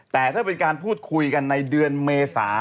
แต่ถ้าเป็นการพูดคุยกันในเดือนเมษา